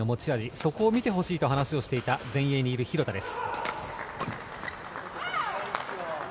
そこを見てほしいと話をしていた廣田です。